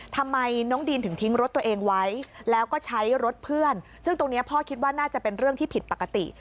ทำไมน้องดีนถึงทิ้งรถตัวเองไว้แล้วก็ใช้รถเพื่อนซึ่งตรงนี้พ่อคิดว่าน่าจะเป็นเรื่องที่ผิดปกติ